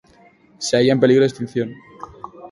Se halla en peligro de extinción.